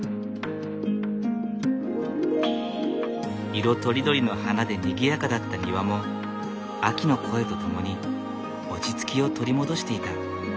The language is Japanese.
色とりどりの花でにぎやかだった庭も秋の声と共に落ち着きを取り戻していた。